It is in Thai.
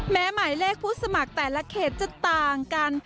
หมายเลขผู้สมัครแต่ละเขตจะต่างกัน